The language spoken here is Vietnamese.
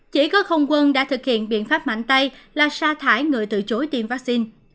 chỉ có không quân đã thực hiện biện pháp mạnh tay là sa thải người từ chối tiêm vaccine